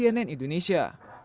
tim liputan cnn indonesia